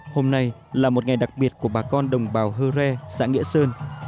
hôm nay là một ngày đặc biệt của bà con đồng bào hơ re xã nghĩa sơn